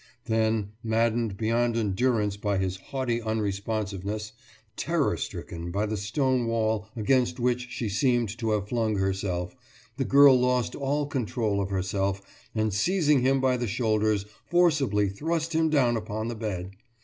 Then, maddened beyond endurance by his haughty unresponsiveness, terror stricken by the stone wall against which she seemed to have flung herself, the girl lost all control of herself and seizing him by the shoulders forcibly thrust him down upon the bed.